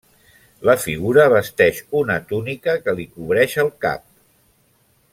La figura vesteix una túnica que li cobreix el cap.